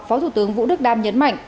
phó thủ tướng vũ đức đam nhấn mạnh